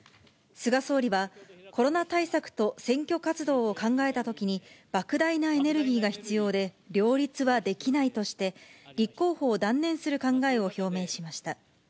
菅総理は、コロナ対策と選挙活動を考えたときに、ばく大なエネルギーが必要で、両立はできないとして、立候補を断念する考えを表明しました。